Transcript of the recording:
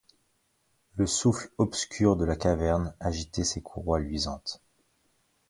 Le souffle obscur de la caverne agitait ces courroies luisantes.